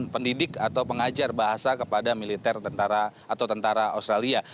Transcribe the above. pendidik atau pengajar bahasa kepada militer tentara atau tentara australia